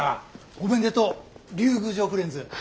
おめでとう竜宮城フレンズ。